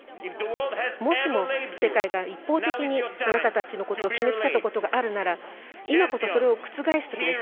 もしも世界が、一方的にあなたたちのことを決め付けたことがあるなら今こそ、それを覆すときです。